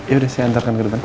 ya udah saya antarkan ke depan